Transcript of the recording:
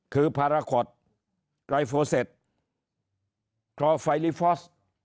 คือพาราคอร์ดไกรโฟเซตคลอร์ไฟลิฟฟอส